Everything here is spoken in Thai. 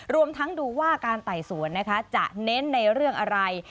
รวมทั้งดูว่าการไต่สวนนะคะจะเน้นในเรื่องอะไร